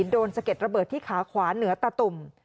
สะเด็ดระเบิดที่ขาขวาเหนือตะตุ่ม